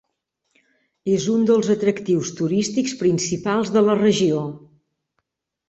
És un dels atractius turístics principals de la regió.